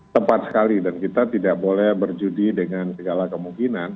tepat sekali dan kita tidak boleh berjudi dengan segala kemungkinan